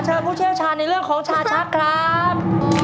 ผู้เชี่ยวชาญในเรื่องของชาชักครับ